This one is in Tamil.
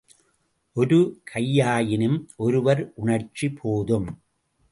ஒரு கையாயின் ஒருவர் உணர்ச்சி போதும்.